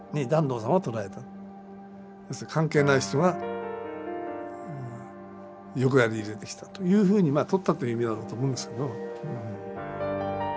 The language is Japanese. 関係ない人が横やり入れてきたというふうにまあ取ったという意味なんだと思うんですけど。